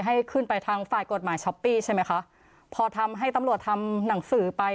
ให้ขึ้นไปทางฝ่ายกฎหมายช้อปปี้ใช่ไหมคะพอทำให้ตำรวจทำหนังสือไป